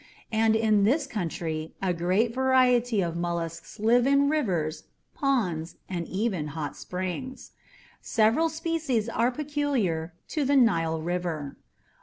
And in this country a great variety of mollusks live in rivers, ponds, and even hot springs. Several species are peculiar to the Nile River.